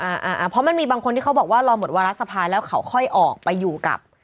อ่าอ่าเพราะมันมีบางคนที่เขาบอกว่ารอหมดวาระสภาแล้วเขาค่อยออกไปอยู่กับ